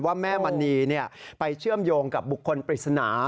แม่มณีไปเชื่อมโยงกับบุคคลปริศนา